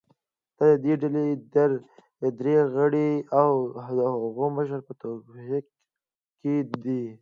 د دې ډلې درې غړي او د هغو مشر په توقیف کې دي